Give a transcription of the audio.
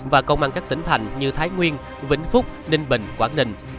và công an các tỉnh thành như thái nguyên vĩnh phúc ninh bình quảng ninh